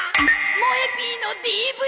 もえ Ｐ の ＤＶＤ！